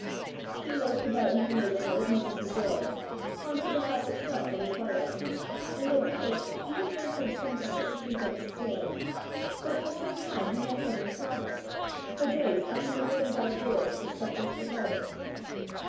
He loafed about in her neighbourhood as much as he dared, haunted the house itself in the twilight, and at night even ventured sometimes to creep up the stair, but for some time he never even saw her: for days Eppy never went out of doors except into the garden.